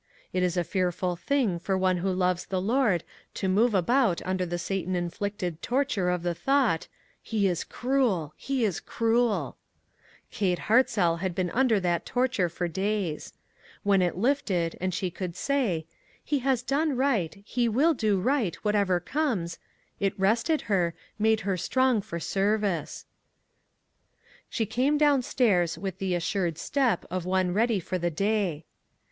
It is a fearful thing for one who loves the Lord to move about under the Satan inflicted torture of the thought :" He is cruel ! He is cruel !" Kate Hartzell had been under that torture for days. When it lifted, and she could say: "He has done right, he will do right, whatever comes," it rested her, made her strong for 'service. She came down stairs with the assured step of one ready for the day.